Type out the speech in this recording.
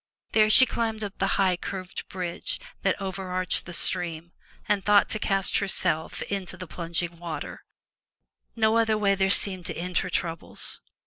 There she climbed up the high, curved bridge that over arched the stream, and thought to cast herself into the plunging waters. No other way there seemed to end her troubles.